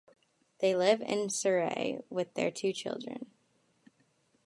They live in Surrey with their two children.